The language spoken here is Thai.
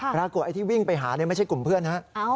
ไอ้ที่วิ่งไปหาไม่ใช่กลุ่มเพื่อนฮะ